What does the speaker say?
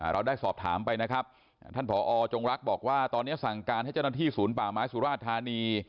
เราได้สอบถามไปนะครับท่านผอจงรักบอกว่าตอนนี้สั่งการให้เจ้าหน้าที่ศูนย์ป่าไม้สุราชธานี